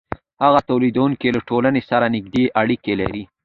هغه تولیدونکی له ټولنې سره نږدې اړیکې لري